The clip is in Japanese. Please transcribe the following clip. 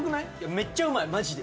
めっちゃうまいマジで。